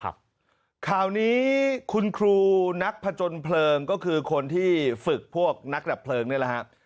ข่าวนี้คุณครูนักผจญเพลิงก็คือคนที่ฝึกพวกนักดับเพลิงนี่แหละครับ